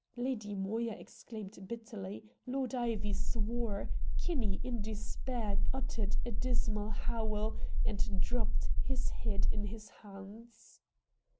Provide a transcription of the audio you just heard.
Lady Moya exclaimed bitterly, Lord Ivy swore, Kinney in despair uttered a dismal howl and dropped his head in his hands.